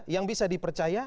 yang bisa dipercaya